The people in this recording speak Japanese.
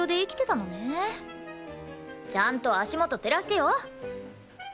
ちゃんと足元照らしてよ。